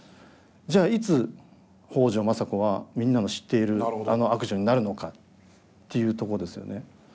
じゃあいつ北条政子はみんなの知っているあの悪女になるのかっていうとこですよね。